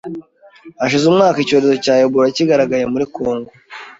Hashize umwaka icyorezo cya Ebola kigaragaye muri Kongo